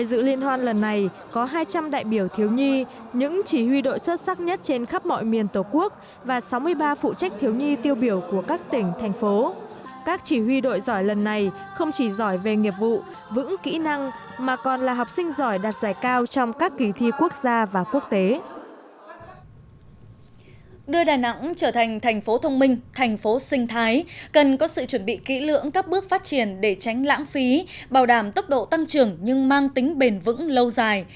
đưa đà nẵng trở thành thành phố thông minh thành phố sinh thái cần có sự chuẩn bị kỹ lưỡng các bước phát triển để tránh lãng phí bảo đảm tốc độ tăng trưởng nhưng mang tính bền vững lâu dài